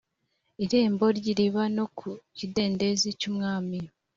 irembo ry iriba no ku kidendezi cy umwami